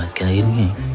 ya kau tidak tahu